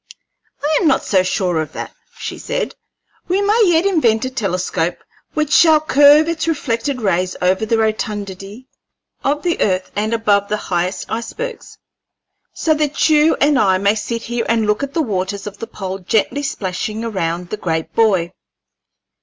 "I am not so sure of that," she said. "We may yet invent a telescope which shall curve its reflected rays over the rotundity of the earth and above the highest icebergs, so that you and I may sit here and look at the waters of the pole gently splashing around the great buoy."